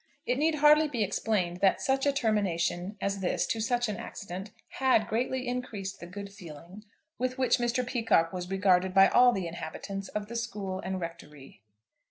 It need hardly be explained that such a termination as this to such an accident had greatly increased the good feeling with which Mr. Peacocke was regarded by all the inhabitants of the school and Rectory.